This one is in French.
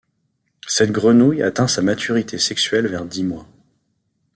Cette grenouille atteint sa maturité sexuelle vers dix mois.